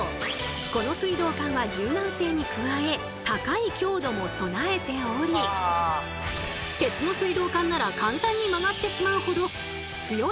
この水道管は柔軟性に加え高い強度も備えており鉄の水道管なら簡単に曲がってしまうほど強い圧力をかけても大丈夫。